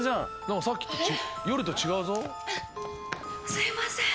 すいません。